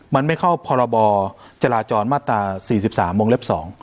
มันไม่เข้าพรบจราจรมาตรา๔๓วงเล็บ๒